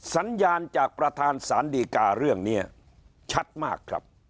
สัญญาณจากประธานสารดีกาเรื่องนี้ชัดมากครับ